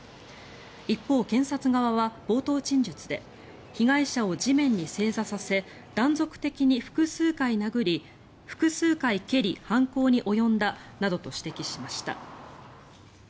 一方、検察側は冒頭陳述で被害者を地面に正座させ断続的に複数回蹴り犯行に及んだなどと指摘しました。